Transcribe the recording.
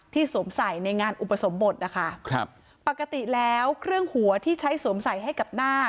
สวมใส่ในงานอุปสมบทนะคะครับปกติแล้วเครื่องหัวที่ใช้สวมใส่ให้กับหน้า